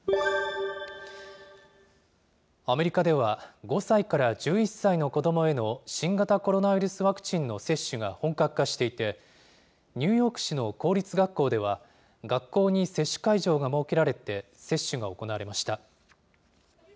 アメリカでは、５歳から１１歳の子どもへの新型コロナウイルスワクチンの接種が本格化していて、ニューヨーク市の公立学校では、学校に接種会場が設けられて、接種が行われました。